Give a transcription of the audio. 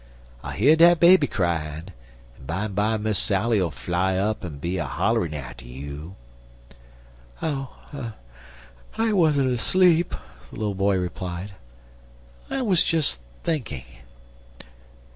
I hear dat baby cryin', en bimeby Miss Sally'll fly up en be a holler'n atter you" "Oh, I wasn't asleep," the little boy replied. "I was just thinking."